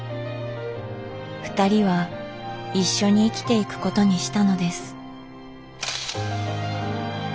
ふたりは一緒に生きていくことにしたのです。